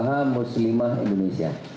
usaha muslimah indonesia